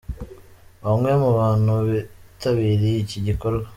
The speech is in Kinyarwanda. Bamwe mu bantu bitabiriye iki gikorwa.